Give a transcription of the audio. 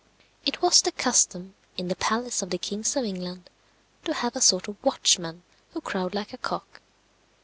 It was the custom, in the palace of the kings of England, to have a sort of watchman, who crowed like a cock.